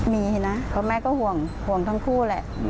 มีนะเพราะแม่ก็ห่วงห่วงทั้งคู่แหละ